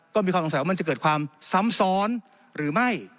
ก็มีความสงสัยว่ามันจะเกิดความซ้ำซ้อนหรือไม่